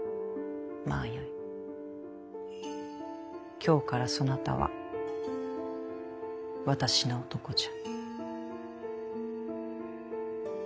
今日からそなたは私の男じゃ。